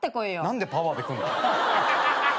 何でパワーでくんの？